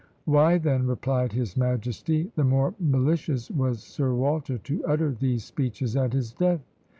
"Why, then," replied his majesty, "the more malicious was Sir Walter to utter these speeches at his death."